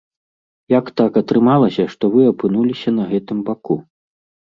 Як так атрымалася, што вы апынуліся па гэтым баку?